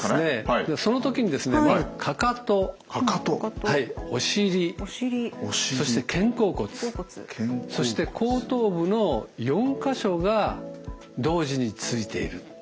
その時にですねまずかかとお尻そして肩甲骨そして後頭部の４か所が同時についている。